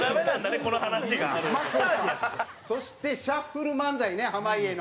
蛍原：そしてシャッフル漫才ね、濱家の。